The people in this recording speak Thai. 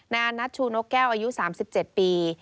นายอานัทชูนกแก้วอายุ๓๗ปี